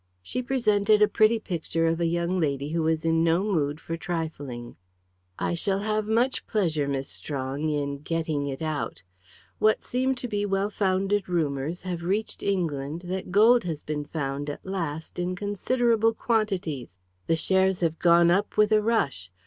She presented a pretty picture of a young lady who was in no mood for trifling. "I shall have much pleasure, Miss Strong, in getting it out. What seem to be well founded rumours have reached England that gold has been found at last in considerable quantities. The shares have gone up with a rush.